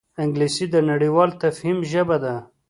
انګلیسي د نړیوال تفهیم ژبه ده